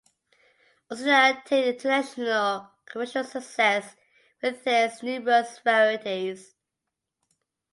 Austin attained international commercial success with his new rose varieties.